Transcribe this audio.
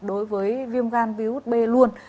đối với viêm gan virus b luôn